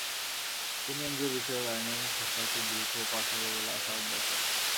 তিনি এনজিওবিষয়ক আইনের খসড়াটি দ্রুত পাস হবে বলে আশাবাদ ব্যক্ত করেন।